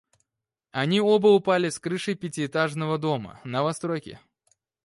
Они оба упали с крыши пятиэтажного дома, новостройки.